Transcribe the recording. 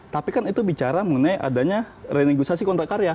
tapi kan itu bicara mengenai adanya renegosiasi kontrak karya